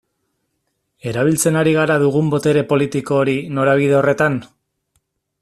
Erabiltzen ari gara dugun botere politiko hori norabide horretan?